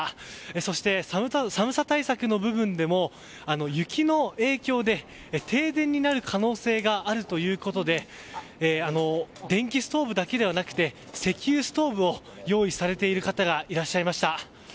そして、寒さ対策の部分でも雪の影響で停電になる可能性があるということで電気ストーブだけではなくて石油ストーブを用意されている方がいらっしゃいました。